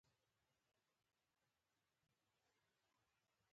حارث بن عمیر بصري والي ته ولېږل شو.